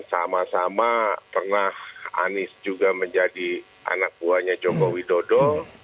sama sama pernah anies juga menjadi anak buahnya joko widodo